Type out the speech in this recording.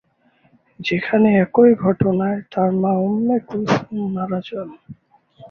যেখানে একই ঘটনায় তার মা উম্মে কুলসুম মারা যান।